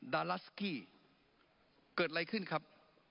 ดาราสกี้เกิดอะไรขึ้นครับ